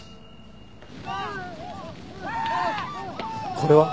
「」これは？